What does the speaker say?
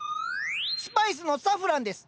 スパイスのサフランです。